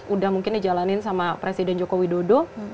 udah mungkin dijalanin sama presiden joko widodo